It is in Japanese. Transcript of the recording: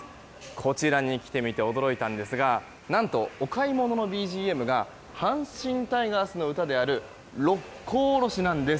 こちらに来てみて驚いたんですが何と、お買い物のＢＧＭが阪神タイガースの歌である「六甲おろし」なんです！